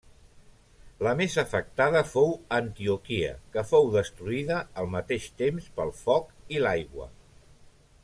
La més afectada fou Antioquia que fou destruïda al mateix temps pel foc i l'aigua.